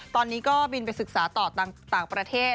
ตอนนี้ก็บินไปศึกษาต่อต่างประเทศ